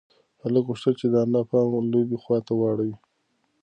هلک غوښتل چې د انا پام د لوبې خواته واړوي.